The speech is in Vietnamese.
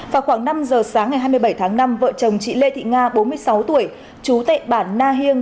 vào khoảng năm h sáng ngày hai mươi bảy tháng năm vợ chồng chị lê thị nga bốn mươi sáu tuổi chú tệ bản na hiêng